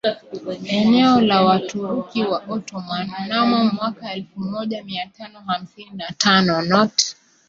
eneo hilo na Waturuki wa Ottoman Mnamo mwaka elfumoja miatano hamsini na tano not